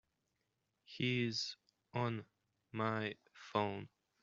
He's on my phone.